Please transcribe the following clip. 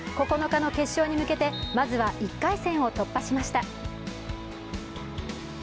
９日の決勝に向けて、まずは１回戦を突破しました。